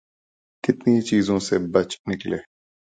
کتنی چیزوں سے بچ نکلے۔